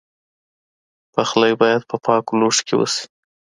پخلی باید په پاکو لوښو کې وشي.